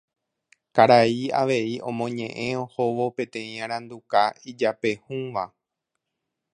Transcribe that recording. Karai avei omoñeʼẽ ohóvo peteĩ aranduka ijapehũva.